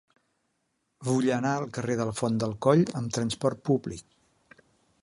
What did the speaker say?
Vull anar al carrer de la Font del Coll amb trasport públic.